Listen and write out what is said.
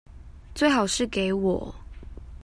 最好是給我